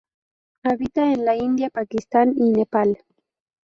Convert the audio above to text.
Habita en la India Pakistán y Nepal.